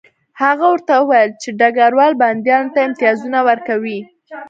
هغه ورته وویل چې ډګروال بندیانو ته امتیازونه ورکوي